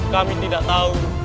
kami tidak tahu